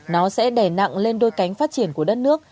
nó sẽ đè nặng lên đôi cánh phát triển của đất nước